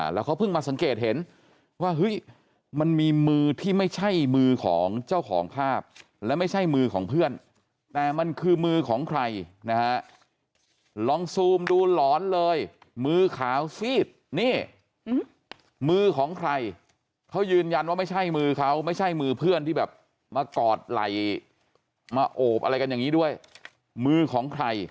แล้วเขาเพิ่งมาสังเกตเห็น